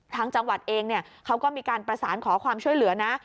ทางจังหวัดเองเขาก็มีการประสานขอความช่วยเหลือนะ